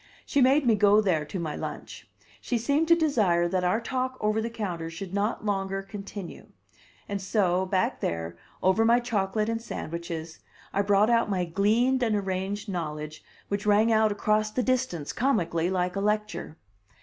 She made me go there to my lunch. She seemed to desire that our talk over the counter should not longer continue. And so, back there, over my chocolate and sandwiches, I brought out my gleaned and arranged knowledge which rang out across the distance, comically, like a lecture.